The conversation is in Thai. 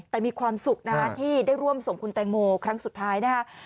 แต่มีความสุขนะที่ได้ร่วมส่งคุณแตงโมครั้งสุดท้ายนะฮะ